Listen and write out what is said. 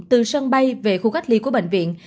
từ sân bay về khu cách ly của bệnh viện